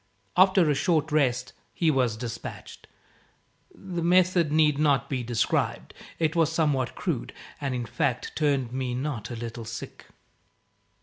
After a short rest, he was despatched. The method need not be described. It was somewhat crude, and in fact turned me not a little sick.